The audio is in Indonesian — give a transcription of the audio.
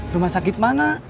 rumah sakit mana